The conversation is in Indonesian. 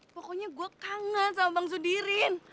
pokoknya gue kangen sama bang sudirin